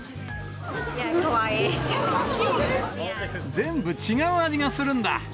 全部違う味がするんだ。